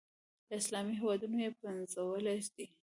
له اسلامي هېوادونو یې پنځولي دي.